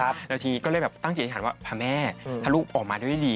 แล้วทีอันนี้ก็เลยตั้งสินที่ที่ฐานว่าพระแม่ถ้าลูกออกมาได้ดี